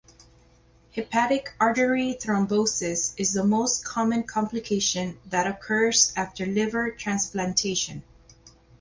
Hepatic artery thrombosis is the most common complication that occurs after liver transplantation.